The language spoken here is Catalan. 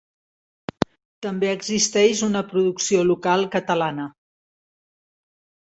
També existeix una producció local catalana.